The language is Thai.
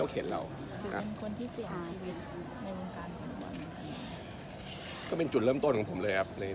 คือเป็นจุดเริ่มต้นของผม